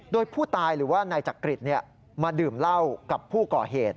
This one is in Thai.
โดยผู้ตายหรือว่านายจักริตมาดื่มเหล้ากับผู้ก่อเหตุ